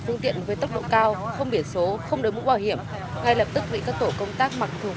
với tốc độ cao không biển số không đối mũ bảo hiểm ngay lập tức bị các tổ công tác mặc thường